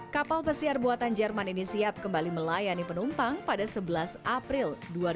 kapal pesiar buatan jerman ini siap kembali melayani penumpang pada sebelas april dua ribu dua puluh